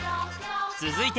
続いて